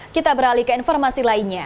kita beralih ke informasi lainnya